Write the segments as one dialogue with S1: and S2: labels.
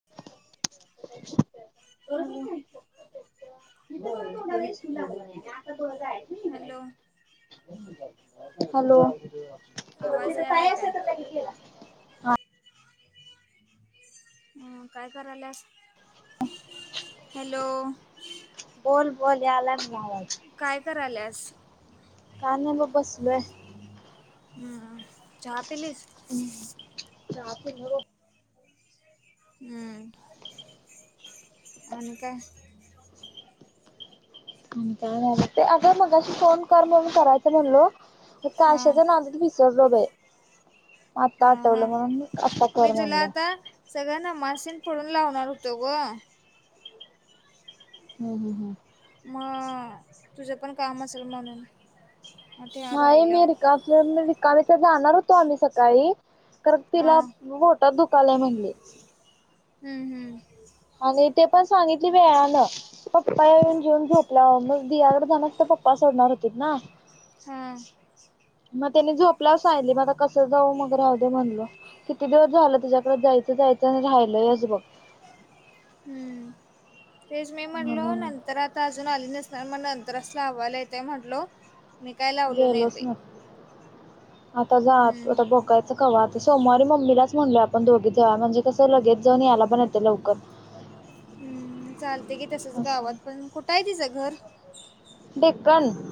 S1: [inaudible] [inaudible] [unintelligible]
S2: Hello!
S1: Hello!
S2: आवाज यालाय काय हं काय करायल्यास? हॅलो!
S1: बोल बोल याला मार [unintelligible]
S2: काय कराल्यास?
S1: काय नाय बघ बसलोय
S2: हम्मं चहा पिलीस?
S1: हम् चहाचं मरो
S2: हम् आणि काय?
S1: काय नाही ते अगं मगाशी फोन कर म्हनं करायचं म्हणलो
S2: हा
S1: काश्याच्या नांदात बीजी सगलोभे [unintelligible] आत्ता
S2: हा
S1: आठवलं
S2: हा
S1: म्हणून आता कर म्हणल्यां
S2: सगळ्यांना माशीन पळून लावणार होतो ग
S1: हम् हम हम
S2: मग तुझं पण काम असेल म्हणून म ते
S1: नाही
S2: राहिलं
S1: मी रिकाफ्लोर रिकामीचं जाणार होतो आम्ही सकाळी कारण
S2: हा
S1: तिला पोटात दुखालय म्हणली
S2: हूं हूं
S1: आणि ते पण सांगितली वेळानं पप्पा येऊन जेऊन झोपला मग दियाकड जाणार त पप्पा सोडणार होतीत ना
S2: हा
S1: म त्यानी झोपल्यावर सांगितली म आता कसं जाऊ मग राहूदे दे म्हणलो किती दिवस झालं तिज्याकड जायचं जायचं आणि रायलंयचं बघ
S2: हूं तेच मी म्हटलो
S1: म्हणून
S2: नंतर आता अजून आली नसणार म नंतरचं लावालय येतंय म्हटलो मी काय लावलो नाय
S1: गेलोच
S2: बय
S1: नाही. आता जा तो
S2: हम्म
S1: आता बघ कायचं कवा आता सोमवारी मम्मीलाच म्हणलो आपण दोघीचं जाऊया म्हणजे कसं लगेच जाऊन यायला पण येत लवकर.
S2: हूं चालतय की तसंच गावात
S1: असं
S2: पण कुठं हाय तिचं घर
S1: डेक्कन -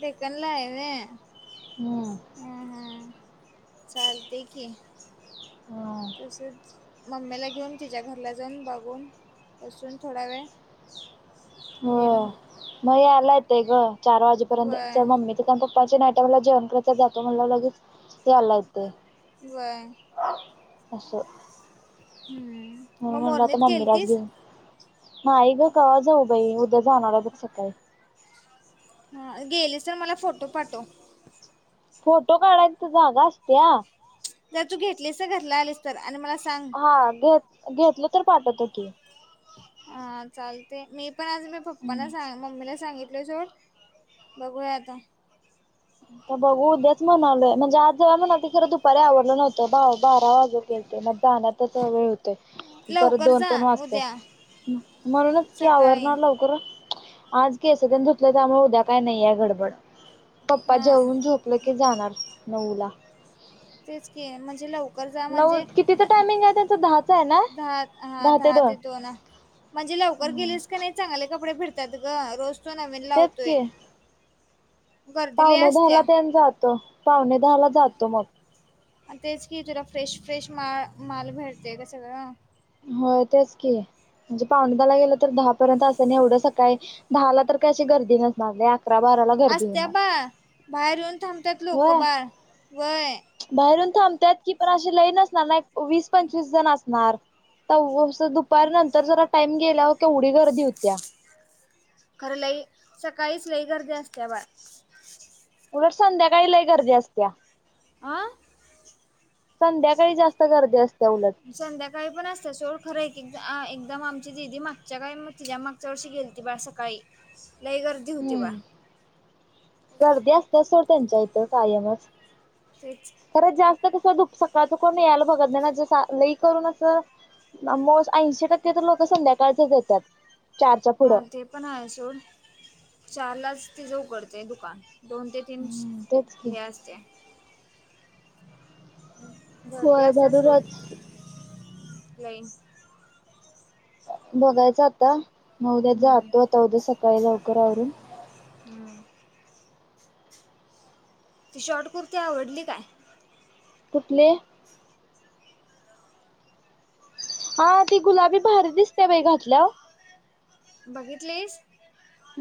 S2: डेक्कन ला हाय व्हय
S1: हूं
S2: हं हं चालतंय की तसेच मम्मीला घेऊन तिच्या घरला जाऊन बघून बसून थोडा वेळ
S1: हो
S2: ये मग
S1: म यायला येतय ग चार वाजेपर्यंत
S2: व्हय
S1: च मम्मी पण पप्पाच्या नाय टायमाला जेवण कराचा जातो म्हणल्यावर लगेच यायला होेतय.
S2: व्हय. हम्म
S1: म्हणून
S2: मग
S1: म्हणलं आता
S2: मोरनित
S1: मम्मीलाच
S2: गेलतीस.
S1: घेऊन नाही ग कवा जाऊ बाई उद्या जाणार हाय बघ सकाळी
S2: हा गेलेसा मला फोटो पाठव.
S1: फोटो काढाय तिथं जागा असत्या
S2: नाय तू घेतलीस घरला आलीस तर आणि मला सांग
S1: हा घेत घेतलं तर पाठवतो की
S2: आ चालतय मी पण आज मी पप्पना सांग मम्मीला सांगितल सोड बघूया आता
S1: आता बघू उदयाच म्हणालोय म्हणजे आज जाय म्हणती खरं दुपारी आवरलं नव्हतं बाव बारा वाजूण गेलते म जाण्यातच वेळ होत तय परत
S2: लवकर
S1: दोन
S2: जा
S1: पण
S2: उद्या
S1: वाजत्यात म्हणूनच की आवर
S2: सकाळी
S1: ना लव कर आज केस त्यानं धुतलं त्यामुळ उद्या काय नाहीय गडबड पप्पा
S2: हा
S1: जेवून झोपलं की जाणार नऊ ला
S2: तेच की म्हणजे लव कर जा
S1: नऊ
S2: म्हणजे
S1: कितीचं
S2: द
S1: टायमिंग आहे त्यांचं दहाचं आहे ना
S2: दहा हा दहा ते दोन म्हणजे लवकर गेलीस का नाय चांगले कपडे फिरतात ग रोज तो नवीन
S1: तेच
S2: लावतोय.
S1: की
S2: गर्दी लय
S1: पावणे
S2: असत्या
S1: दहाला
S2: आणि
S1: त्यांन जातो पावणे दहाला जातो मग
S2: आणि तेच की जरा फ्रेश फ्रेश मा माल भेटतेय ग सगळा
S1: हो तेच की म्हणजे पावणे दहा ला गेलं तर दहा पर्यंत असनं एवढं सकाळी दहाला तर काय अशी गर्दी नसणार लय आ
S2: असस्त्या बा बाहेर येऊन थांबत्यात लोक बार व्हय.
S1: बाहेर येऊन थांबत्यात की पण अशी लय नसणार ना एक वीस पंचवीस जण असणार. आव ववस दुपारी नंतर जरा टाईम गेलावर केवढी गर्दी होत्या.
S2: खर लई सकाळीच लई गर्दी असत्या बा
S1: उलट संध्याकाळी लय गर्दी असत्या.
S2: आं
S1: संध्याकाळी जास्त गर्दी असते उलट
S2: संध्याकाळी पण असते सोड खरं एक एकदम आमची दिदी मागच्या काही म [unintelligible] तिझग मागच्या वर्षी गेलती बाळसाकाळी लय गर
S1: हम्म गर्दी असते सोड त्यांच्या इथं कायमच
S2: तेच
S1: खरं जास्त कसं दुप सकाळ च कोन यायला बघत नाही ना ज लई करून असं मो ऐंशी टक्के तर लोक संध्याकाळचंच येत्यात.
S2: हा ते पण आहे सोड चारलाच तिज उघडतेय दुकान दोन ते तीम्स
S1: हम्म तेच की
S2: हे असतेया गर्दी
S1: होय
S2: असतेया सोड
S1: भरूरच
S2: लाईन
S1: बघायचं आता मग उद्या
S2: हम्म
S1: जातो आता उद्या सकाळी लवकर आवरून
S2: हम्म ती शॉर्ट कुर्ती आवडली काय?
S1: कुठली? हा ती गुलाबी भारी दिसतेय बाई घातल्याव
S2: बघितलीस?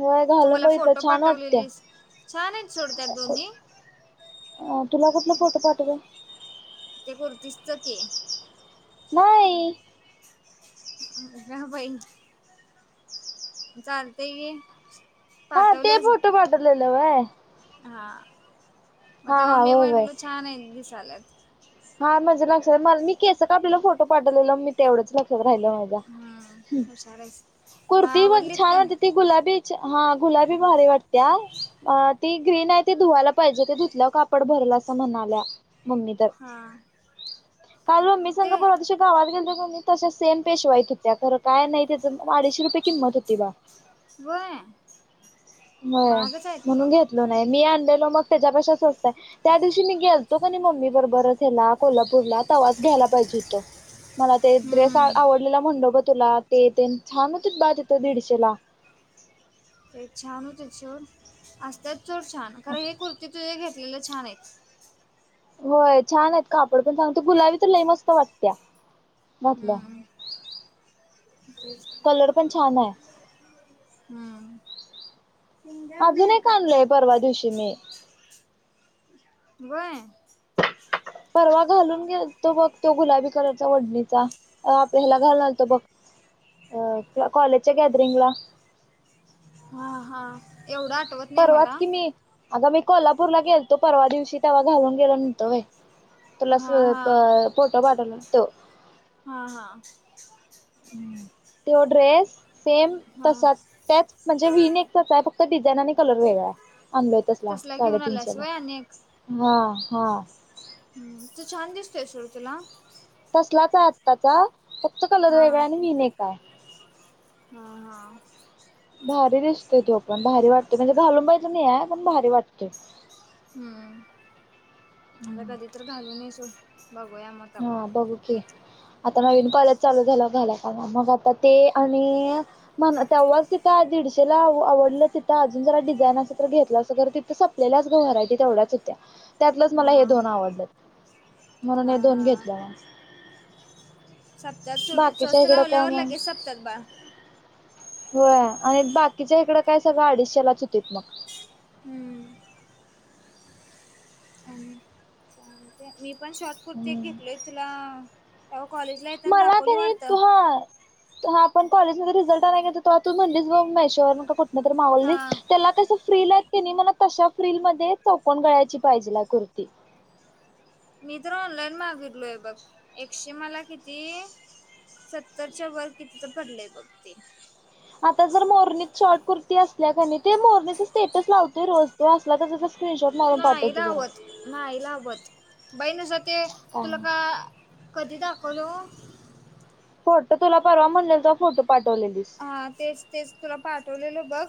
S1: होय
S2: तु
S1: घालून
S2: मला
S1: बघितलं
S2: फोटो
S1: छान वाटते
S2: पाठवलेलीस छानयत सोड त्या दोन्ही
S1: अं तुला कुठलं फोटो पाठवला?
S2: ते कुर्तीसच ते
S1: नाही!
S2: अग या बाई चालतय की
S1: हा ते
S2: पाठवल्यास
S1: फोटो पाठवलेलं व्हय
S2: हा म तवा
S1: हा
S2: मी
S1: होय वय
S2: म्हटलो छानय दिसायल्यात
S1: हा माझ्या लक्षात मल मी केस कापलेला फोटो पाठवलेलं मी तेवढच लक्षात राहिलं माझ्या
S2: हम्म
S1: या ह
S2: हुशार आहेस मग
S1: कुर्ती बघ
S2: आवडलीत
S1: छान होती
S2: काय
S1: ती गुलाबीच ते हा आ गुलाबी भारी वाटतीया ती ग्रीन आहे ती धुवायला पाहिजे ते धुतल्या वर काप कापड भरल असं म्हणाल्या मम्मी तर
S2: हां
S1: काल मम्मी संग बोलाय [unintelligible] गावात गेलतो मी तशीच सेम पेशवाईत होत्या खर काय नाही त्याचं अडीचशे रुपये किंमत होती बा
S2: व्हय
S1: होय
S2: महागच हाय कि
S1: म्हणून
S2: मग
S1: घेतलो नाही मी आणलेलो मग त्याच्यापेक्षा स्वंतय त्या दिवशी मी गेलतो का मम्मी बरोबरच त्याला कोल्हापूरला तवाच घ्यायला पाहिजे होत मला ते ड्रेस
S2: हम्म.
S1: आवड म्हणलो ग तुला ते छान होतं बाज येत दीडशेला [unintelligible]
S2: ते छान होते चवुन असतच छान खर हे कुर्ती तुझे घेतलेलं छानयत
S1: होय छानयत कापड पण चांगलं गुलाबी तर लय मस्त वाटतोया
S2: हम तेच
S1: कलर पण छान आहे.
S2: हम्मं
S1: अजून एक आणलोय परवा दिवशी मी
S2: व्हय
S1: परवा घालून गेलतो बघ तो गुलाबी कलरचा ओडणीचा आपल्या याला घालून आलतो बघ अ काॅलेजच्या गॅदरिंगला
S2: हा हा एवढं आठ
S1: परवाच की मी अगं मी कोल्हापूरला गेलतो परवा दिवशी तेव्हा घालून गेलो नव्हतो व्हय तुला स
S2: हा हा
S1: प फोटो पाठवला तो
S2: हा हा
S1: त्यो ड्रेस सेम
S2: हा
S1: तसा त्याच म्हणजे वीन एकचय फक्त डिझाईन आणि कलर वेगळाय आं तसला
S2: घेऊन आलास
S1: साडेतीनशेला
S2: व्हय आणि एक
S1: हा हा
S2: हम्म तू छान दिसतोयेस ऋतूला.
S1: तसलाच आहे आत्ताचा फक्त कलर
S2: हा
S1: वेगळा आणि वीन एक आहे.
S2: हा हा.
S1: भारी दिसतोय तो पण भारी वाटत म्हणजे घालून बघीतल नहीये पण भारी वाटतय.
S2: हम्म आता कधी तरी घालून येजो बघूया मग.
S1: हा
S2: तवा
S1: बघूकी. आता नवीन कॉलेज चालू झालंयावर मग आता ते आणि मग तेव्हाच तिथं दीडशेला आवडलं तिथं अजून जरा डिझाईन असे तर घेतलं अस तिथं स तेलाच भराय तेवढ्याच होत्या त्यातलंच मला
S2: हा
S1: हे दोन आवडल म्हणून हे
S2: हा
S1: दोन दोन
S2: हा
S1: घेतल्या.
S2: सप्त्याात सुड [unintelligible]
S1: बाकीच्या
S2: स्वस्त
S1: इकडं काय
S2: लावल्यावर
S1: मग
S2: लगेच सप्त्यात बा.
S1: हो आणि बाकीच्या इकडं काय सगळं अडीचशेलाच होतेत मग.
S2: आणि चालतंय. मी पण शॉर्ट कुर्ती
S1: हम्म
S2: घेतलोय तुला तेव्हा कॉलेज
S1: मला तरी तु हा तेव्हा आपण कॉलेजमध्ये रिझल्ट नाही तो तू म्हणलीस ब मेशेवर का कुठ नंतर मावली
S2: हा
S1: त्याला कस फ्रील की न मला तशा फीलल मध्ये चौकन गळायची पाहिजे लाय कुर्ती.
S2: मी तर ऑनलाईन मागितलोय बघ एकशे मला किती? सत्तरच्या वर किती तर पडलेय बघ ते.
S1: आता जर मोरणीत शॉर्ट कुर्ती असल्या का नाही ते मोरणीचा स्टेटस लावतोय रोज तो असला तर त त्याचा स्क्रीनशॉट मारून पाठवतो जरा.
S2: मईला हबत बाई नुस ते
S1: काय
S2: तुला
S1: नाही
S2: का कधी दाखवलं ओ
S1: फोटो तुला परवा म्हणलेल त फोटो पाठवलेलीस.
S2: हा तेच तेच तुला पाठवलेल बघ.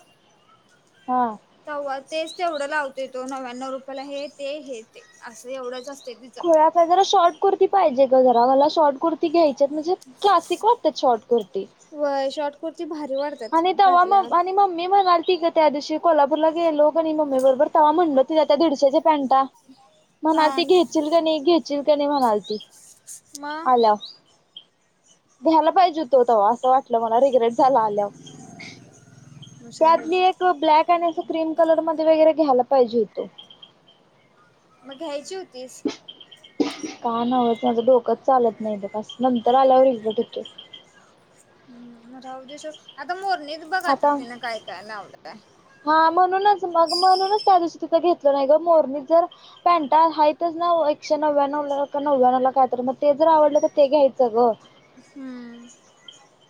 S1: हा.
S2: तेव तेच तेवढं लावतो तो नव्याण्णव रुपयाला हे ते हे ते असं एवढंच असतं तिचं.
S1: थोड्या जरा शॉर्ट कुर्ती पाहिजे ग घराला शॉर्ट कुर्ती घ्यायच्यात म्हणजे क्लासिक वाटतात शॉर्ट कुर्ती.
S2: व्हय शॉर्ट कुर्ती भारी वाटतात
S1: आणि दवा म
S2: घातल्यावर.
S1: आणि मम्मी म्हणालती कर त्या दिवशी कोल्हापूरला गेलो कणी मम्मी बरोबर तव्हा म्हणलो तिला त्या दीडशेच्या पॅन्टा म्हणाल
S2: हा
S1: ती घ्यायचील क नाही घ्यायशील क नाही म्हणाल ती.
S2: म.
S1: आल्यावर घ्यायला पाहिजे हो तव्हा असं वाटलं मला रिग्रेट झाला आल्यावर.
S2: हुशार
S1: त्यातली
S2: आहेस
S1: एक ब्लॅक आणि अस क्रीम कलर मध्ये वगैरे घ्यायला पाहिजे होतो.
S2: मग घ्यायची होतीस.
S1: का नवंच माझं डोकंच चालत नाही बस नंतर आल्यावर इतो
S2: म राहू दे सोड आता मोरणीच बघात
S1: आता
S2: तिनं काय काय लावलाय.
S1: हा म्हणूनच मग म्हणूनच त्या दिवशी तिथं घेतलं नाही ग मोरनी जर पॅन्ट हायतच ना एकशे नव्याण्णव नव्याण्व कायत मग ते जर आवडलं तर ते घ्यायचं गं.
S2: हम्म.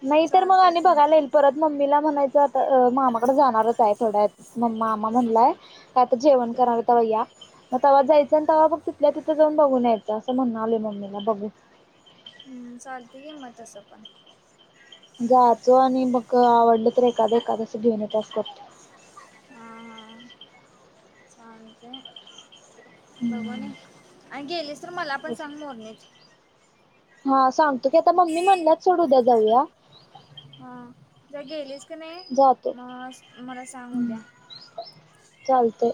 S1: नाही तर मग आ
S2: चालतंय की
S1: बघायला येईल परत मम्मीला म्हणायचं आता मामाकडे जाणारच आहे थोड्यात म मामा म्हणलाय कायत जेवन करावी त या. मग तेव्हा जायचं आणि तव बघ तिथल्या तिथे जाऊन बघून यायचं असं म्हण आले मम्मीला बघू.
S2: हम्म चालते किम तस पण.
S1: जायचो आणि मग आवडलं तर एखादं एखादसं घेऊन येतं असतात.
S2: हा चालतं.
S1: हम्म
S2: बघूनणे आणि गेलेस तर मला पण सांग मोरनेत
S1: हा सांगतो की आता मम्मी म्हणल्या सोडू उदया जाऊया.
S2: हा जर गेलीस कीनाय
S1: जातो
S2: अ मला सांग उद्या
S1: चालतंय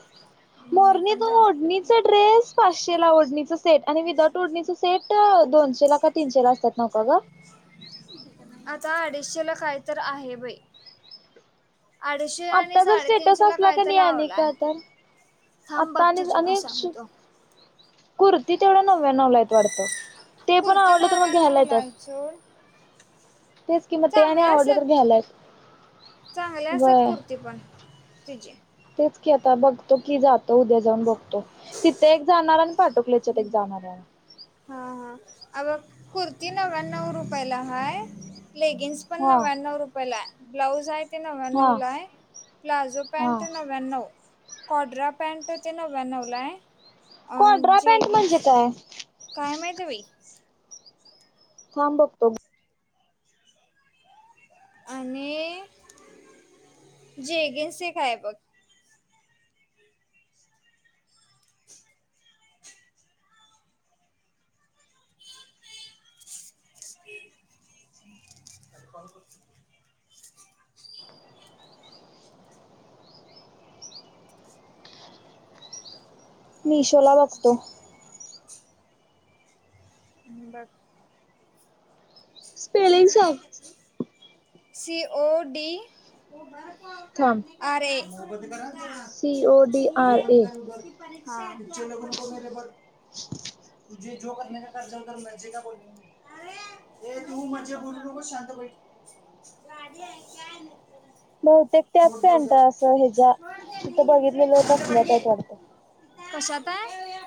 S2: मी
S1: मोरणी
S2: पण
S1: तु
S2: जा
S1: ओडणीचा ड्रेस? पाचशे ला ओढणीचं सेट आणि विदाउट ओढणीचं सेट दोनशे ला का तीनशे ला असतात नकका ग
S2: [inaudible] [unintelligible] आता अडीचशेला काय तर आहे बाई अडीचशे आणि
S1: आत्ता जर स्टेटस
S2: साडेतीनशे ला
S1: असला का
S2: कायत
S1: नाही आणि
S2: लावलाय
S1: का तर
S2: थांब
S1: आत्ता आणि
S2: बघतो तुला
S1: आणि
S2: सांगतो
S1: कुर्ती तेवढ्या नव्यानव लायत वाटतं? ते पण
S2: कुर्ती
S1: आवडलं तर मग
S2: नव्याण्णव
S1: घ्यायला
S2: ला
S1: येत्यात
S2: आहे सोड
S1: तेच कि म ते आणि
S2: चांगल्या
S1: आवडलं
S2: असतात
S1: तर घ्यायला
S2: चांगल्या असतात
S1: व्हय
S2: कुर्ती पण तिजी
S1: तेच की आता बघतो की जातो उद्या जाऊन बघतो तिथं एक जाणार आणि पाटोकल्याच्यात एक जाणाराय
S2: हा हा आग कुर्ती नव्व्याण्णव रुपयाला हाय लेगिंग्स पण
S1: हा
S2: नव्याण्णव रुपायलाय ब्लाऊज आहे ते
S1: हा
S2: नव्याण्णवलाय प्लाजो
S1: हा
S2: पॅन्ट नव्या नवव्याण्णव काॅड्रा पॅन्ट ते नव्याण्णवलाय अ
S1: कॉड्रा पॅन्ट
S2: जेगिंन्स
S1: म्हणजे काय
S2: काय माहती बई
S1: थांब बघतो
S2: आणि जेगिंन्स एक हाय बघ हम् [unintelligible] आधी कॉल करून घे. [unintelligible]
S1: मिशोला बघतो
S2: बस. [unintelligible] [inaudible]
S1: स्पेलिंग सांग
S2: [inaudible] सीओ डी.
S1: थांब
S2: [inaudible] आरे. [unintelligible]
S1: सी ओ
S2: परीक्षा
S1: डी आर ए
S2: आहेत माझी पण सुरू, हा. चिल्लावू नको मेरे पर, तूझे जो करनेका [unintelligible] [inaudible] कर जा, [unintelligible] आरे. ए तू [unintelligible] मधे बोलू नको, शांत बैठ. गाडी है क्या मेरे को
S1: बहुतेक त्याच
S2: छोड दे,
S1: पॅन्ट
S2: उधर.
S1: असं ह्याच्या
S2: छोड
S1: तिथं बघितलेलं तसल्याच
S2: दे
S1: आहेत
S2: [unintelligible] [inaudible]
S1: वाटतं
S2: [inaudible] कशातय?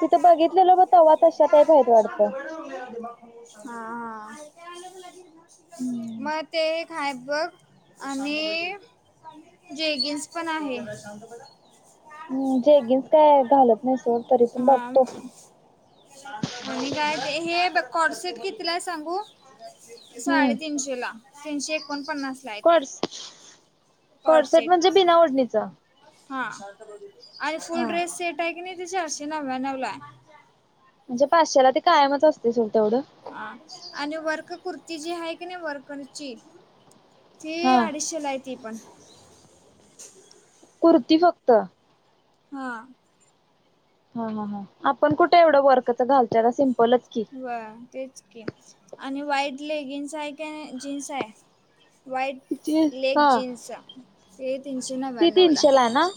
S1: तिथं बघितलेलं ब तवा तशा टाईप आहेत वाटतं
S2: शांत बैठो, मेरा दिमाख हा.. हा..
S1: हम्म.
S2: मग ते एक हाय बघ आणि.. जेगिन्स पण आहे.
S1: हम्म जेगिन्स काय घालत नाही सोड तरी
S2: [unintelligible] [inaudible]
S1: पण
S2: हा [inaudible]
S1: बघतो
S2: आणि काय हाय ते कॉर्सेट कितीला हाय सांगु?
S1: हम्म
S2: साडेतीनशे ला तीनशे एकोणपन्नास
S1: कॉड्स
S2: कॉड
S1: कॉडसेट
S2: सेट,
S1: म्हणजे बिना ओढणीचा
S2: हा. आणि फुल
S1: हा
S2: ड्रेस सेट हाय तिन्ही, चारशे नव्व्यानवलाय.
S1: म्हणजे पाचशेला, ते कायमच असतोय सोड तेवढं.
S2: हा, आणि वर्क कुर्ती जी हाय की नाही वर्करची ती..,
S1: हा
S2: अडीचशेला हाय ती पण
S1: कुर्ती फक्त?
S2: हा.
S1: हा.. हा.. हा. आपण कुठे एवढं वर्कचं घालतोय आता, सिम्पलच की?
S2: व्हय, तेच की आणि व्हाईट लेगिन्स हाय की जीन्सय? व्हाईट लेग
S1: हा
S2: जीन्सा ते तीनशे
S1: ती
S2: नव्याण्णवला,
S1: तीनशेला आहे ना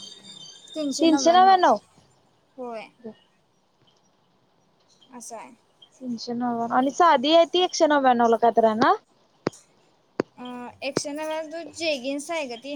S2: तीनशे नव्याण्णव होय. असंय
S1: तीनशे नव्याण्णव आणि साधीय ती एकशे नव्याण्णव ला काय तर हाय ना?
S2: अं एकशे नव्यानव तु जेगीन्स आहे गं ती.